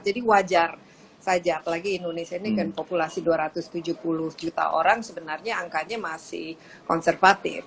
wajar saja apalagi indonesia ini kan populasi dua ratus tujuh puluh juta orang sebenarnya angkanya masih konservatif